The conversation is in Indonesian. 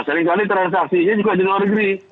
seringkali transaksi ini juga di luar negeri